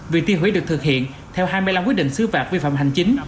việc tiêu hủy được thực hiện theo hai mươi năm quyết định sư phạm vi phạm hành chính